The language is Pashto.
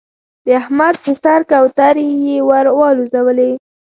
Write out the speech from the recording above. د احمد د سر کوترې يې ور والوزولې.